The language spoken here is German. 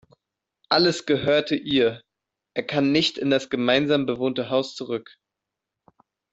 Alles gehörte ihr, er kann nicht in das gemeinsam bewohnte Haus zurück.